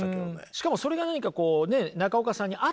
しかもそれが何かこうね中岡さんに合ってたんでしょうね。